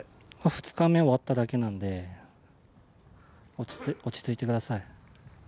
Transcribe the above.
２日目終わっただけなんで、落ち着いてください。